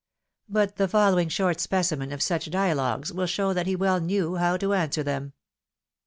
But the following short specimen of such dia logues win show that he well knew how to answer them.